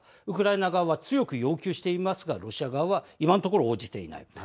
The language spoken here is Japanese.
ウクライナ側は強く要求していますが、ロシア側は今のところ応じていない。